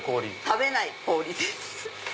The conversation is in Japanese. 食べない氷です。